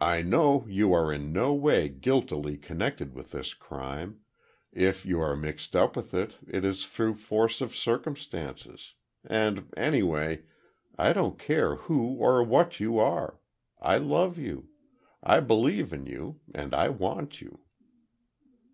I know you are in no way guiltily connected with this crime—if you are mixed up with it, it is through force of circumstances, and anyway, I don't care who or what you are—I love you, I believe in you and I want you."